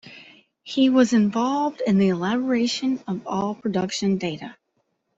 He was involved in the elaboration of all production data.